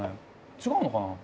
違うのかな？